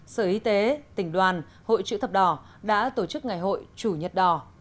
sở y tế tỉnh đoàn hội chữ thập đỏ đã tổ chức ngày hội chủ nhật đỏ